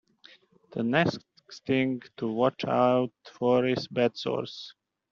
The next thing to watch out for is bed sores.